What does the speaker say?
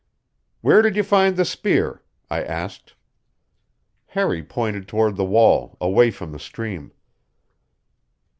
"Where did you find the spear?" I asked. Harry pointed toward the wall, away from the stream.